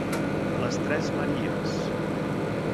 Les tres Maries.